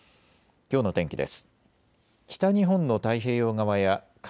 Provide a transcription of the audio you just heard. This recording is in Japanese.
きょうの天気です。